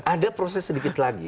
ada proses sedikit lagi